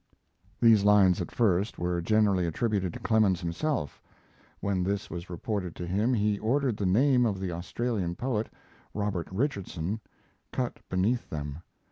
[These lines at first were generally attributed to Clemens himself. When this was reported to him he ordered the name of the Australian poet, Robert Richardson, cut beneath them.